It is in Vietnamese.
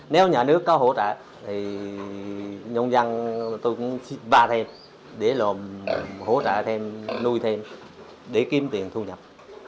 nếu nhà nước có hỗ trợ thì nhân dân tôi cũng ba thêm để hỗ trợ thêm nuôi thêm để kiếm tiền thu nhập